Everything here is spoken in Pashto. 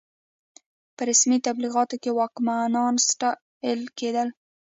په رسمي تبلیغاتو کې واکمنان ستایل کېدل.